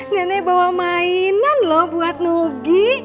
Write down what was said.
nenek bawa mainan loh buat nugi